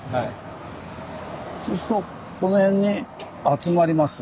そうするとこの辺に集まります。